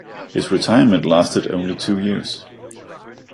His retirement lasted only two years.